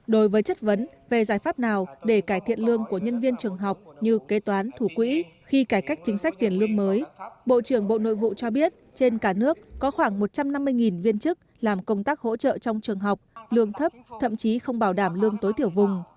đối với chất vấn về giải pháp nào để cải thiện lương của nhân viên trường học như kế toán thủ quỹ khi cải cách chính sách tiền lương mới bộ trưởng bộ nội vụ cho biết trên cả nước có khoảng một trăm năm mươi viên chức làm công tác hỗ trợ trong trường học lương thấp thậm chí không bảo đảm lương tối thiểu vùng